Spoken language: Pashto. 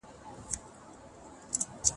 تاریخ د عبرت اخیستلو لپاره دی.